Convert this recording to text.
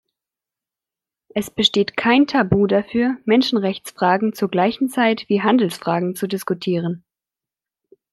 Es besteht kein Tabu dafür, Menschenrechtsfragen zur gleichen Zeit wie Handelsfragen zu diskutieren.